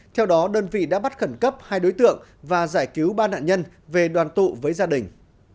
theo đó đơn vị đã bắt khẩn cấp hai đối tượng và giải cứu ba nạn nhân về đoàn tụ với gia đình